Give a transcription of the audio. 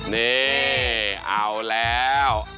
นี่เอาแล้ว